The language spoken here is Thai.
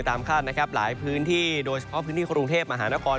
ตามคาดหลายพื้นที่โดยเฉพาะพื้นที่พื้นเทพฯมหานคร